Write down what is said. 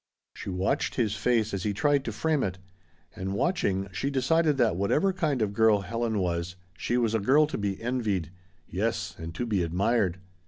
She watched his face as he tried to frame it. And watching, she decided that whatever kind of girl Helen was, she was a girl to be envied. Yes, and to be admired.